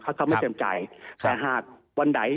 ผมก็ไม่อยากจะบังคับใครขึ้นเบือกความนะครับ